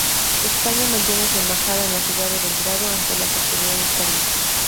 España mantiene su embajada en la ciudad de Belgrado ante las autoridades serbias.